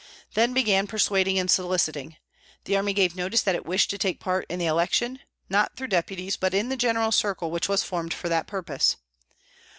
Then began persuading and soliciting. The army gave notice that it wished to take part in the election, not through deputies, but in the general circle which was formed for that purpose.